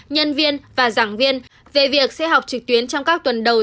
nhân viên và giảng viên về việc sẽ học trực tuyến trong các tuần đầu